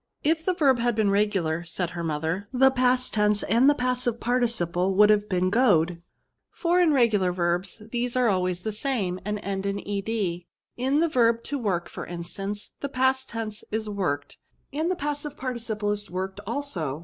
^* If the verb had been regular," said her mother, " the past tense and passive participle would have been goed; for, in regular verbs, 238 VERBS. these are always tlie same^ and end in ed. In the verb to work, for instance, the past tense is worked, and the passive participle is worked also.